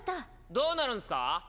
どうなるんすかぁ？